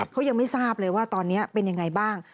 เขายังไม่ทราบเลยว่าตอนนี้เป็นยังไงบ้าง